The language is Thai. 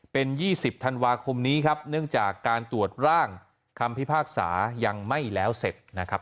เป็น๒๐ธันวาคมนี้ครับเนื่องจากการตรวจร่างคำพิพากษายังไม่แล้วเสร็จนะครับ